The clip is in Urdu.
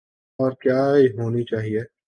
اورکیا ہونی چاہیے۔